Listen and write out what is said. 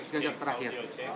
mas genjar terakhir